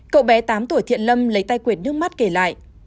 cậu bé tám tuổi thiện lâm lấy tay quyệt nước mắt kể lại